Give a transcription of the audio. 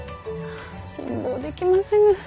辛抱できませぬ。